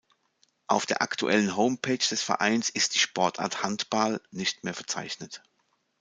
Auf der aktuellen Homepage des Vereins ist die Sportart Handball nicht mehr verzeichnet.